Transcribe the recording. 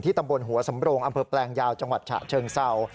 ตำบลหัวสำโรงอำเภอแปลงยาวจังหวัดฉะเชิงเศร้า